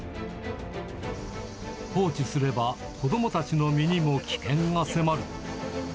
放置すれば子どもたちの身にも危険が迫る。